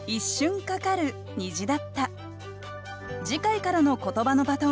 次回からの「ことばのバトン」